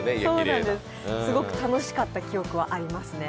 すごく楽しかった記憶はありますね。